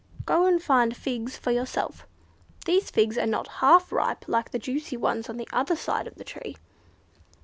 "Go and find figs for yourself!" "These figs are not half ripe like the juicy ones on the other side of the tree!"